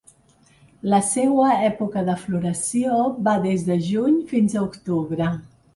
La seua època de floració va des de juny fins a octubre.